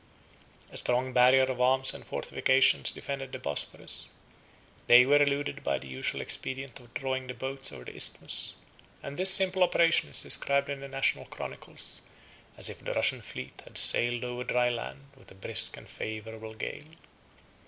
62 A strong barrier of arms and fortifications defended the Bosphorus: they were eluded by the usual expedient of drawing the boats over the isthmus; and this simple operation is described in the national chronicles, as if the Russian fleet had sailed over dry land with a brisk and favorable gale.